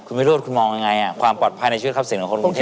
คุณวิโรธคุณมองยังไงความปลอดภัยในชีวิตทรัพย์สินของคนกรุงเทพ